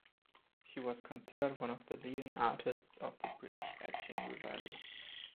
She was considered one of the leading artists of the British Etching revival.